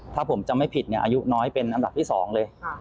ถ้าผมจำไม่ผิดเนี่ยอายุน้อยเป็นอันดับที่๒เลย